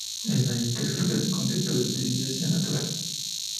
Es de ahí que surge el concepto de desviación natural.